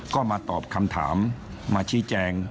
ก็มาตอบคำถามมาชี้แจง